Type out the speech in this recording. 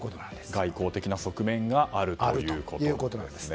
外交的な側面があるということですね。